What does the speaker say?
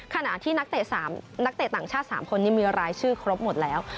ขณะที่นักเตะ๓นักเตะต่างชาติ๓คนนี้มีรายชื่อครบหมดแล้ว